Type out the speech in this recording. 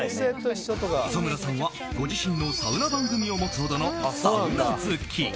磯村さんはご自身のサウナ番組を持つほどのサウナ好き。